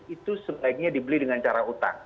itu sebaiknya dibeli dengan cara utang